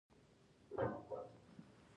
مصنوعي ځیرکتیا د ځواک محدودیت ته اړتیا لري.